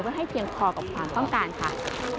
เพื่อให้เพียงพอกับความต้องการค่ะ